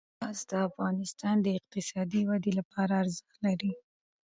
ګاز د افغانستان د اقتصادي ودې لپاره ارزښت لري.